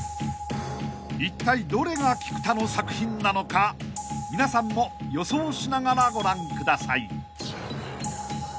［いったいどれが菊田の作品なのか皆さんも予想しながらご覧ください］